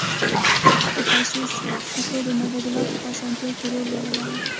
د پیسو سکو د مبادلاتو په اسانتیا کې رول ولوباوه